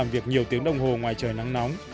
việc nhiều tiếng đồng hồ ngoài trời nắng nóng